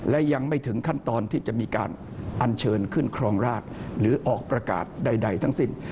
และยังไม่ถึงขั้นตอนที่จะมีการอัญเชิญขึ้นครองราชหรือออกประกาศใดทั้งสิ้น